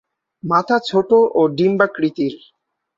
মাথা ছোট ও ডিম্বাকৃতির।